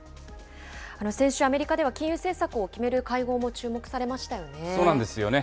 先週、アメリカでは金融政策を決める会合も注目されましたよそうなんですよね。